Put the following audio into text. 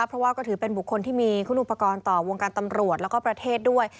เพราะว่าก็ถือเป็นบุคคลที่มีคุณอุปกรณ์ต่อวงการตำรวจแล้วก็ประเทศด้วย